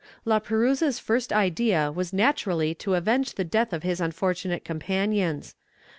La Perouse's first idea was naturally to avenge the death of his unfortunate companions; but M.